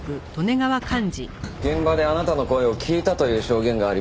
現場であなたの声を聞いたという証言がありまして。